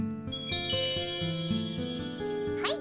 はい。